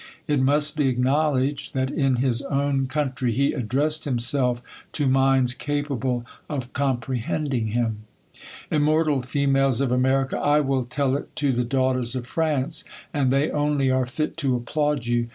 It must be acknowledged, that, in his own coun • ry, he addressed himself to minds capable of compre ■lending him. Immortal THE COLUMBIAN ORATOR. C7 Immortal females of America ! 1 will tell it to the daughters of France, and they only are fit to applaud you